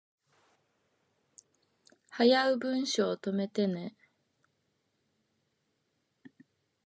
早う文章溜めてね